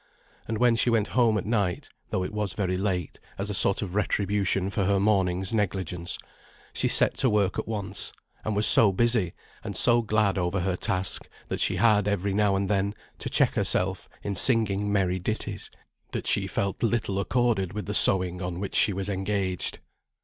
And when she went home at night (though it was very late, as a sort of retribution for her morning's negligence), she set to work at once, and was so busy, and so glad over her task, that she had, every now and then, to check herself in singing merry ditties, that she felt little accorded with the sewing on which she was engaged.